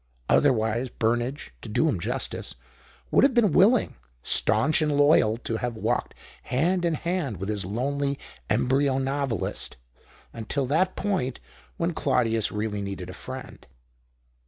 Otherwise Burnage, to do him justice, would have been willing — staunch and loyal — to have walked hand in hand with this lonely embryo novelist until that point when Claudius really needed a friend.